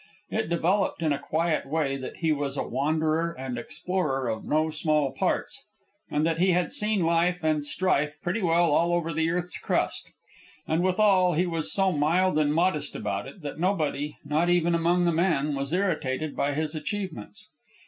It developed in a quiet way that he was a wanderer and explorer of no small parts, and that he had seen life and strife pretty well all over the earth's crust. And withal, he was so mild and modest about it, that nobody, not even among the men, was irritated by his achievements.